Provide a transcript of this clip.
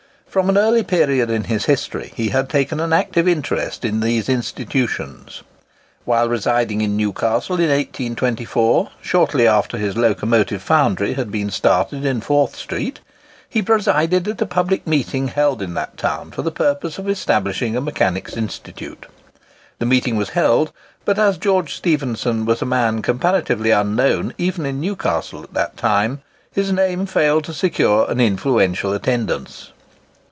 From an early period in his history, he had taken an active interest in these institutions. While residing at Newcastle in 1824, shortly after his locomotive foundry had been started in Forth street, he presided at a public meeting held in that town for the purpose of establishing a Mechanics' Institute. The meeting was held; but as George Stephenson was a man comparatively unknown even in Newcastle at that time, his name failed to secure "an influential attendance."